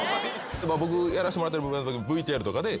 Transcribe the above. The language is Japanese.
僕やらしてもらってるＶＴＲとかで。